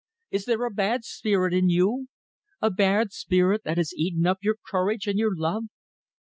Is there a bad spirit in you? A bad spirit that has eaten up your courage and your love?